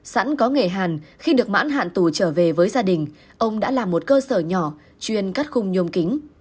sẵn có nghề hàn khi được mãn hạn tù trở về với gia đình ông đã làm một cơ sở nhỏ chuyên cắt khung nhôm kính